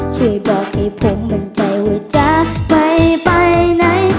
ช่วยบอกให้ผมมันไปว่าจะไม่ไปไหน